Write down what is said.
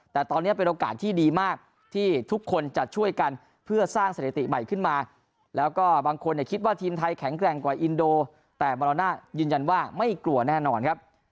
แต่มรณายืนยันว่าไม่กลัวแน่นอนครับ